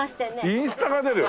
インスタが出る！？